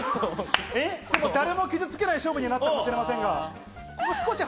誰も傷付けない勝負になったかもしれません。